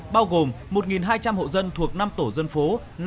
bao gồm một hai trăm linh hộ dân thuộc năm tổ dân phố năm sáu chín một mươi một mươi một